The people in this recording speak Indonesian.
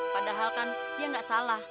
padahal kan dia nggak salah